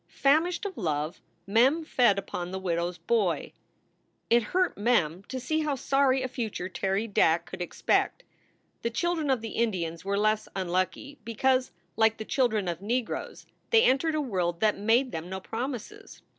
Famished of love, Mem fed upon the widow s boy. It hurt Mem to see how sorry a future Terry Dack could expect. The children of the Indians were less unlucky, because, like the children of negroes, they entered a world that made them no promises.